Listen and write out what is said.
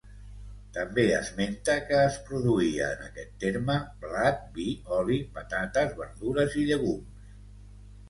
També esmenta què es produïa en aquest terme: blat, vi, oli, patates, verdures i llegums.